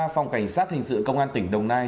phòng cảnh sát hình sự công an tỉnh đồng nai